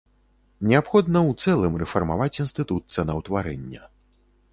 Неабходна ў цэлым рэфармаваць інстытут цэнаўтварэння.